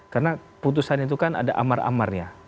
karena putusan itu kan ada amar amarnya